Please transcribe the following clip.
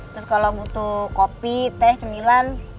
terus kalau butuh kopi teh cemilan